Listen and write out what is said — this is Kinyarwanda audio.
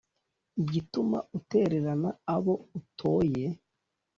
Igituma utererana abo utoye,